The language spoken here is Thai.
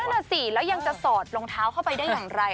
นั่นน่ะสิแล้วยังจะสอดรองเท้าเข้าไปได้อย่างไร